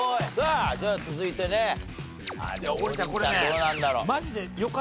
さあじゃあ続いてね。